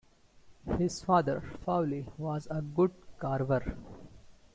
His father, Faulle, was a wood carver.